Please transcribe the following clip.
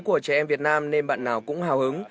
của trẻ em việt nam nên bạn nào cũng hào hứng